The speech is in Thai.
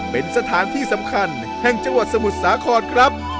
เป็นสถานที่สำคัญแห่งจังหวัดสมุทรสาครครับ